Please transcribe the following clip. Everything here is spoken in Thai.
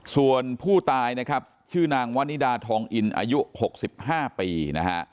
ส่วนผู้ตายนะครับชื่อนางวันนิดาทองอินอายุ๖๕ปีนะฮะ